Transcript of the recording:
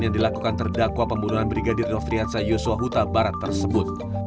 yang dilakukan terdakwa pembunuhan brigadir nofriansah yosua huta barat tersebut